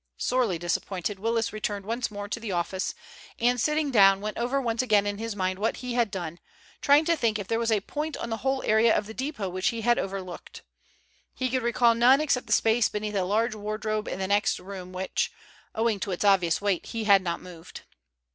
Sorely disappointed, Willis returned once more to the office, and sitting down, went over once again in his mind what he had done, trying to think if there was a point on the whole area of the depot which he had overlooked. He could recall none except the space beneath a large wardrobe in the next room which, owing to its obvious weight, he had not moved.